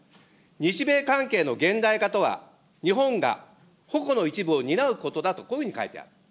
日米関係の現代化とは、日本が矛の一部を担うことだとこういうふうに書いてある。